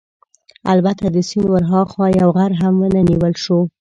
البته د سیند ورهاخوا یو غر هم ونه نیول شو.